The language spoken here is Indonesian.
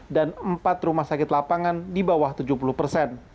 dan empat rumah sakit lapangan di bawah tujuh puluh persen